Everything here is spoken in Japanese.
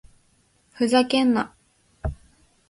ふざけんな！